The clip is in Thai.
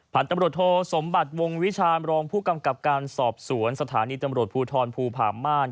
ตำรวจโทสมบัติวงวิชามรองผู้กำกับการสอบสวนสถานีตำรวจภูทรภูผาม่าน